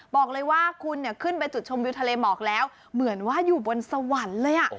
บอกเลยว่าคุณเนี่ยขึ้นไปจุดชมวิวทะเลหมอกแล้วเหมือนว่าอยู่บนสวรรค์เลย